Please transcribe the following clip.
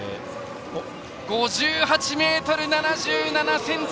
５８ｍ７７ｃｍ！